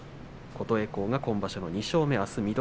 琴恵光今場所２勝目です。